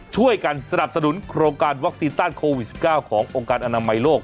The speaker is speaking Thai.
ช่วยกันสนับสนุนโครงการวัคซีนต้านโควิด๑๙ขององค์การอนามัยโลก